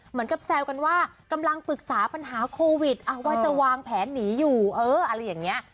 แซวกันว่ากำลังปรึกษาปัญหาโควิดว่าจะวางแผนหนีอยู่เอออะไรอย่างนี้